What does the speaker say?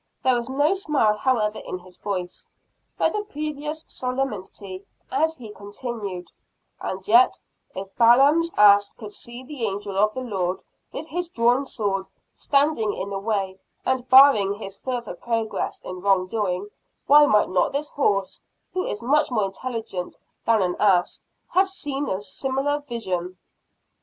There was no smile however in his voice, but the previous solemnity, as he continued: "And yet if Balaam's ass could see the angel of the Lord, with his drawn sword, standing in the way, and barring his further progress in wrongdoing, why might not this horse who is much more intelligent than an ass have seen a similar vision?"